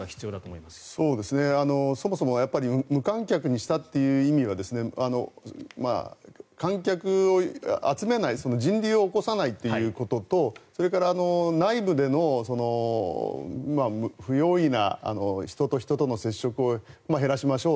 そもそも無観客にしたという意味は観客を集めない人流を起こさないということとそれから内部での不用意な人と人との接触を減らしましょう。